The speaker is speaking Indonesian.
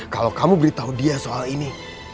kalau kamu beritahu dia soal ini